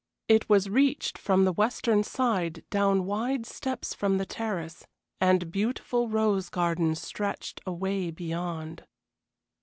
It was reached from the western side down wide steps from the terrace, and beautiful rose gardens stretched away beyond.